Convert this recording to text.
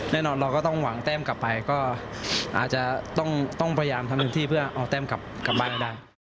แน่นอนเราก็ต้องหวังเต้มกลับไปก็อาจจะต้องต้องพยายามทำหนึ่งที่เพื่อเอาเต้มกลับกลับบ้านได้